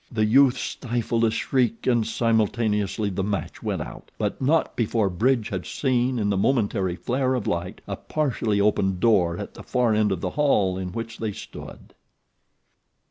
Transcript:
The youth stifled a shriek and simultaneously the match went out; but not before Bridge had seen in the momentary flare of light a partially open door at the far end of the hall in which they stood.